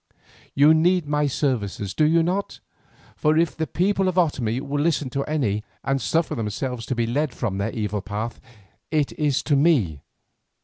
You need my services, do you not? for if the people of the Otomie will listen to any and suffer themselves to be led from their evil path, it is to me.